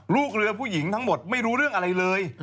ลูกเรือผู้หญิงทั้งหมดไม่รู้เรื่องอะไรเลย